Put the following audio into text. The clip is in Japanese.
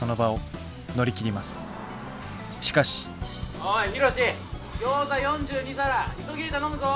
おいヒロシギョーザ４２皿急ぎで頼むぞ！